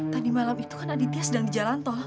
tadi malam itu kan aditya sedang di jalan tol